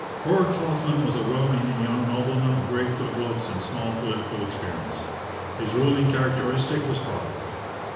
Lord Falkland was a well meaning young nobleman of great good looks and small political experience. His ruling characteristic was pride.